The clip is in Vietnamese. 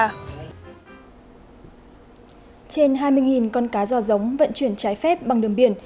trên hai mươi con cá giò giống vận chuyển trái phép bằng đường biển